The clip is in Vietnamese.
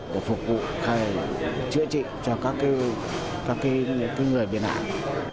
để phục vụ chữa trị cho các người bị nạn